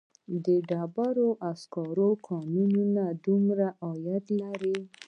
د ډبرو سکرو کانونه څومره عاید لري؟